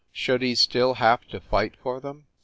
Should he still have to fight for them.